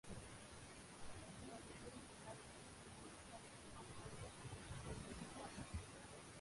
একই বছর মুম্বাইয়ে তিনি প্রথমবারের মত কনসার্টে সঙ্গীত পরিবেশন করেন।